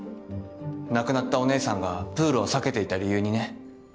亡くなったお姉さんがプールを避けていた理由にね。